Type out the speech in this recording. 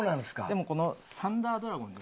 でもこのサンダードラゴン。